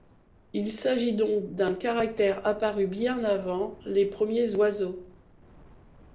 Il s'agit donc d'un caractère apparu bien avant les premiers oiseaux.